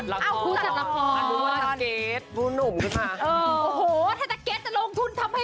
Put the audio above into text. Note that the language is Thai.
กับเพลงที่มีชื่อว่ากี่รอบก็ได้